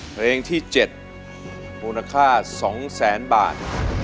เพลงที่๗มูลค่า๒แสนบาท